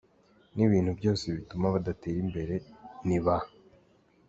n’ibintu byose bituma badatera imbere. Ni ba